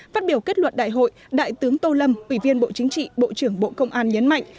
phát biểu kết luận đại hội đại tướng tô lâm ủy viên bộ chính trị bộ trưởng bộ công an nhấn mạnh